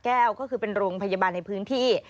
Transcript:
แก้วก็คือเป็นโรงพยาบาลในพื้นที่